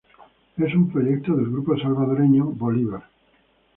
Es un proyecto del Grupo Salvadoreño "Bolívar".